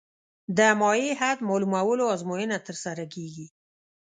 د مایع حد معلومولو ازموینه ترسره کیږي